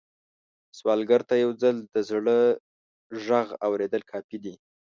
سوالګر ته یو ځل د زړه غږ اورېدل کافي دي